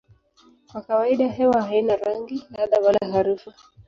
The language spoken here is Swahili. Kwa kawaida hewa haina rangi, ladha wala harufu.